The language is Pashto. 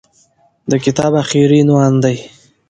د کتاب اخري عنوان دى.